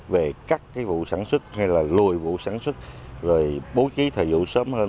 về cắt cái vụ sản xuất hay là lùi vụ sản xuất rồi bố trí thời vụ sớm hơn